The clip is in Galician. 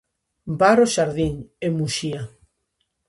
Bar O Xardín, en Muxía.